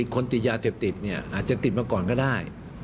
คนติดยาเต็บติดอาจจะติดมาก่อนก็ได้